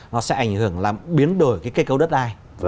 nó sẽ ảnh hưởng làm biến đổi cái kết cấu đất đai